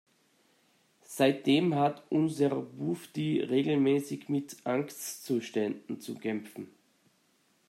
Seitdem hat unser Bufdi regelmäßig mit Angstzuständen zu kämpfen.